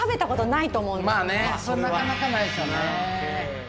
なかなかないですよね。